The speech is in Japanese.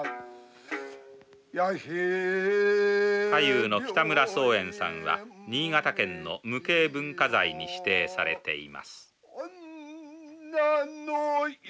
太夫の北村宗演さんは新潟県の無形文化財に指定されています